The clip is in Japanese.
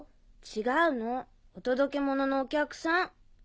違うのお届け物のお客さん。